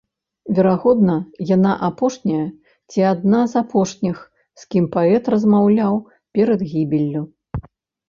Верагодна, яна апошняя ці адна з апошніх, з кім паэт размаўляў перад гібеллю.